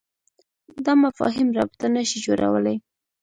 دا مفاهیم رابطه نه شي جوړولای.